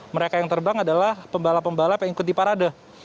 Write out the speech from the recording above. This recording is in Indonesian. mereka yang terbang adalah pembalap pembalap yang ikuti parade